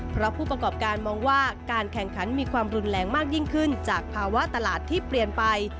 เพราะผู้ประกอบการมองว่าการแข่งขันมีความรุนแรงมากยิ่งขึ้นจากภาวะตลาดที่เปลี่ยนไป